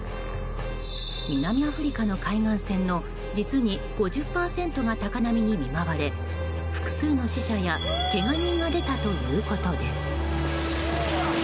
南アフリカの海岸線の実に５０％が高波に見舞われ複数の死者やけが人が出たということです。